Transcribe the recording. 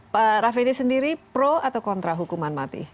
pak raffendi sendiri pro atau kontra hukuman mati